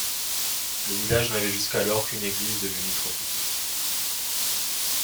Le village n'avait jusqu'alors qu'une église devenue trop petite.